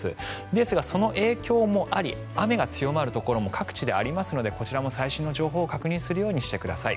ですがその影響もあり雨が強まるところも各地でありますのでこちらも最新の情報を確認するようにしてください。